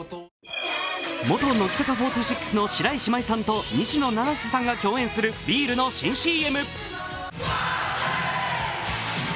元乃木坂４６の白石麻衣さんと西野七瀬さんが共演するビールの新ＣＭ。